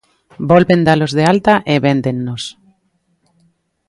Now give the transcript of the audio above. Volven dálos de alta e véndennos.